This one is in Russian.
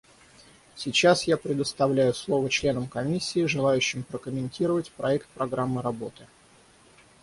Сейчас я предоставлю слово членам Комиссии, желающим прокомментировать проект программы работы.